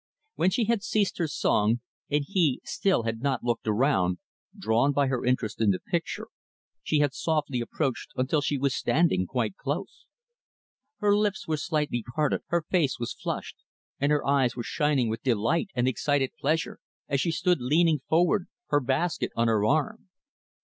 When she had ceased her song, and he, still, had not looked around; drawn by her interest in the picture, she had softly approached until she was standing quite close. Her lips were slightly parted, her face was flushed, and her eyes were shining with delight and excited pleasure, as she stood leaning forward, her basket on her arm.